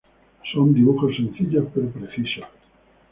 Son dibujos sencillos pero precisos.